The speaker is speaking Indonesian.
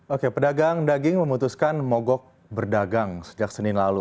oke pedagang daging memutuskan mogok berdagang sejak senin lalu